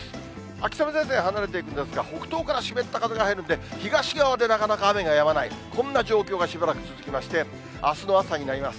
秋雨前線、離れていくんですが、北東から湿った風が入るんで、東側でなかなか雨がやまない、こんな状況がしばらく続きまして、あすの朝になります。